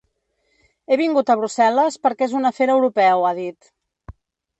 He vingut a Brussel·les perquè és un afer europeu, ha dit.